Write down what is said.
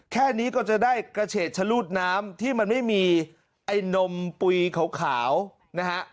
แค่นี้ก็จะได้กระเฉดชะลูดน้ำที่มันไม่มีไอ้นมปุ๋ยขาวนะฮะ